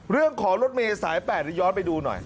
เรื่องของรถเมย์สาย๘ย้อนไปดูหน่อย